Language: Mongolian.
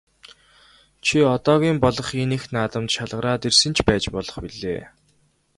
Чи одоогийн болох энэ их наадамд шалгараад ирсэн ч байж болох билээ.